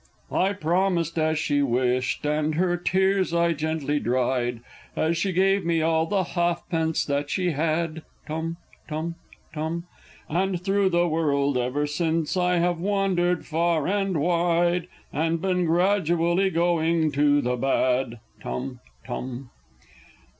_ I promised as she wished, and her tears I gently dried, As she gave me all the halfpence that she had: (Tum tum tum!) And through the world e'er since I have wandered far and wide, And been gradually going to the bad! (Tum tum!)